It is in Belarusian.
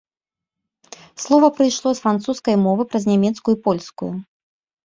Слова прыйшло з французскай мовы праз нямецкую і польскую.